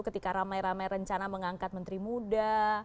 ketika ramai ramai rencana mengangkat menteri muda